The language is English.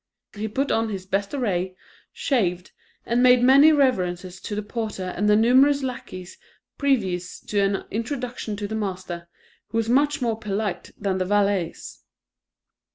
He put on his best array, shaved, and made many reverences to the porter and the numerous lackeys previous to an introduction to the master, who was much more polite than the valets.